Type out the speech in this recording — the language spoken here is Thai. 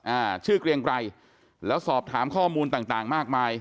อ่าชื่อเกรียงไกรแล้วสอบถามข้อมูลต่างต่างมากมาย